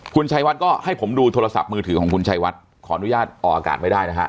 คุณชัยวัดก็ให้ผมดูโทรศัพท์มือถือของคุณชัยวัดขออนุญาตออกอากาศไม่ได้นะฮะ